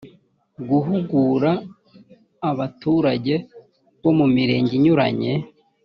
guhugura abaturage bo mu mirenge inyuranye